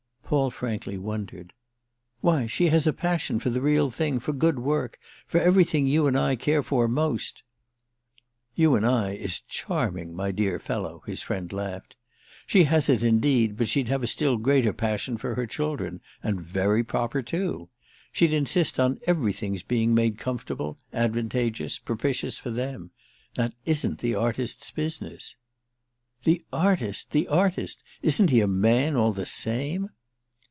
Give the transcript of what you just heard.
Paul frankly wondered. "Why she has a passion for the real thing, for good work—for everything you and I care for most." "'You and I' is charming, my dear fellow!" his friend laughed. "She has it indeed, but she'd have a still greater passion for her children—and very proper too. She'd insist on everything's being made comfortable, advantageous, propitious for them. That isn't the artist's business." "The artist—the artist! Isn't he a man all the same?"